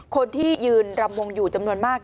คนที่ยืนรำวงอยู่จำนวนมาก